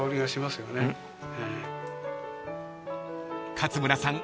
［勝村さん